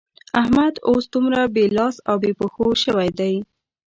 احمد اوس دومره بې لاس او بې پښو شوی دی.